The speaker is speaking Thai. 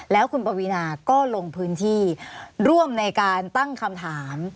แล้วคุณปวีนาก็ลงพื้นที่ร่วมในการตั้งคำถาม